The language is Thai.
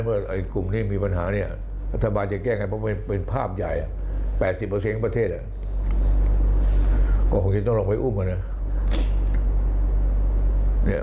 กระทรวงสาธารณสุขกระทรวงการคลังกระทรวงพาณิชย์ถูกคราดหมดเลย